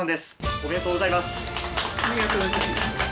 ありがとうございます。